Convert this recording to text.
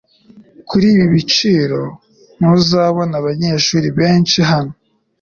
Kuri ibi biciro, ntuzabona abanyeshuri benshi hano.